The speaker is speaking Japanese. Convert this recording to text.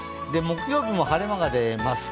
木曜日も晴れ間が出ます。